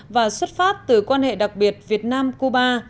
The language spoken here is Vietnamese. và xuất phát từ quan hệ đặc biệt việt nam cuba